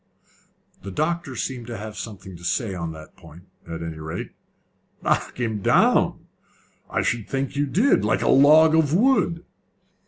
The doctor seemed to have something to say on that point, at any rate. "Knock him down! I should think you did! Like a log of wood!"